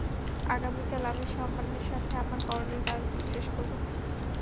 আগামীকাল, আমি সম্মানের সাথে আমার করণীয় কাজগুলো শেষ করবো।